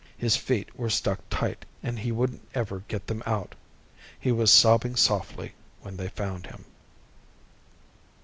His feet were stuck tight, and he wouldn't ever get them out. He was sobbing softly when they found him.